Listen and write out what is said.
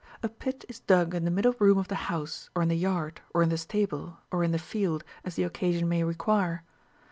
A pit is dug in the middle room of the house or in the yard, or in the stable, or in the field, as the occasion may require.